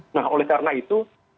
nah oleh karena itu